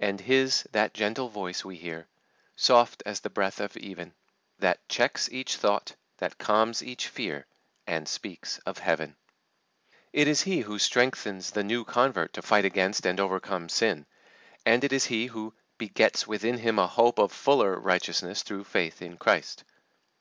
"And His that gentle voice we hear, Soft as the breath of even; That checks each thought, that calms each fear, And speaks of Heaven." It is He who strengthens the new convert to fight against and overcome sin, and it is He who "begets within him a hope of fuller righteousness through faith in Christ."